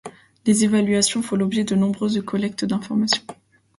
Les évaluations font l'objet de nombreuses collectes d’informations.